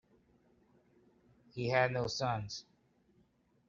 He had no sons.